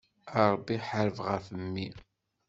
A Ṛebbi ḥareb ɣef mmi.